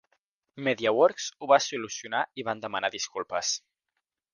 Mediaworks ho va solucionar i van demanar disculpes.